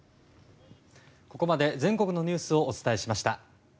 ここまで全国のニュースをお伝えしました。